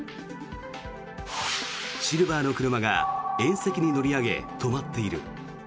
シルバーの車が縁石に乗り上げ止まっている。